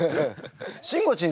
しんごちん